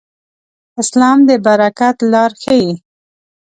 اسلام د برکت لار ښيي.